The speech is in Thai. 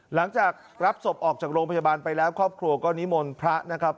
หลังจากรับศพออกจากโรงพยาบาลไปแล้วครอบครัวก็นิมนต์พระนะครับ